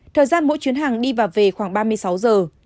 thời gian mỗi chuyến hàng đi và về khoảng ba mươi sáu giờ